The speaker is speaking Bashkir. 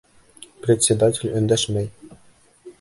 Председатель өндәшмәй.